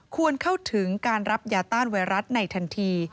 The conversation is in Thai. ควรเข้าถึงการรับยาต้านไวรัสในทันที